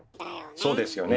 そうですよね。